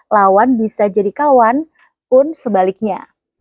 lawan bisa jadi kawan pun sebaliknya